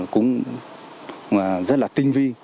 cũng rất là tinh vi